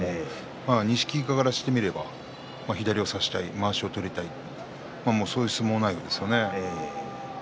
錦木からしてみれば左を差したいまわしを取りたいそういう相撲内容でしょうね。